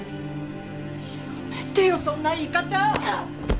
やめてよそんな言い方！